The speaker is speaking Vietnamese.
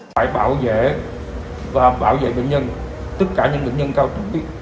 phải bảo vệ và bảo vệ bệnh nhân tất cả những bệnh nhân cao tuổi